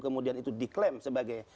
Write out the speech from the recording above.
kemudian itu diklaim sebagai